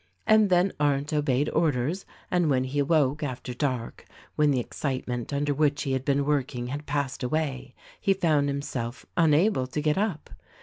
And then Arndt obeyed orders ; and when he awoke after dark, when the excitement under which he had been work ing had passed away, he found himself unable to get up.